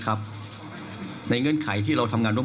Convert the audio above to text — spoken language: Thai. คุณหมอชนหน้าเนี่ยคุณหมอชนหน้าเนี่ย